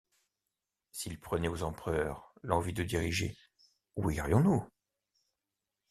S’il prenait aux empereurs l’envie de diriger, où irions-nous ?